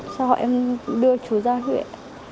sau họ em đưa chú ra huyện